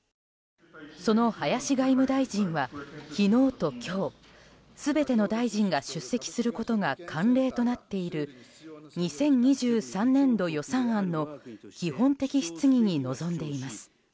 その林外務大臣は昨日と今日全ての大臣が出席することが慣例となっている２０２３年度予算案の基本的質疑に臨んでいます。